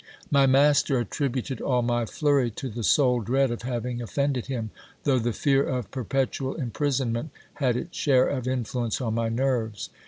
My master attributed all my flurry to the sole dread of having offended him ; though the fear of perpetual imprisonment had its share of influence , on my nerves.